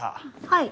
はい。